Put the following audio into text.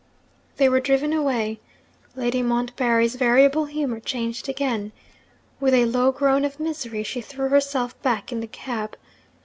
They were driven away. Lady Montbarry's variable humour changed again. With a low groan of misery, she threw herself back in the cab.